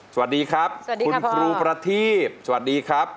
สวัสดีครับคุณครูประธีบสวัสดีครับ